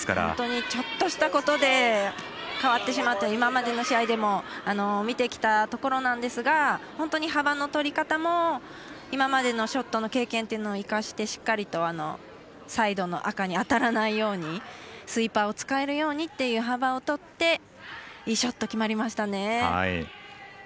本当にちょっとしたことで変わってしまうという今までの試合でも見てきたところなんですが本当に幅の取り方も今までのショットの経験を生かしてしっかりとサイドの赤に当たらないようにスイーパーを使えるようにという幅を取っていいショット決まりましたね。